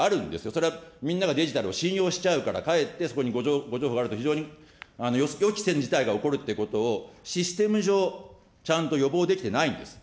それはみんながデジタルを信用しちゃうから、かえってそこに誤情報があると非常に、予期せぬ事態が起こるということを、システム上、ちゃんと予防できてないんです。